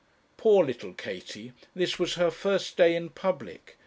Poor little Katie! This was her first day in public.